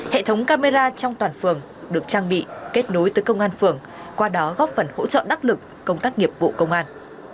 hệ thống camera trong toàn phường được trang bị kết nối tới công an phường qua đó góp phần hỗ trợ đắc lực công tác nghiệp vụ công an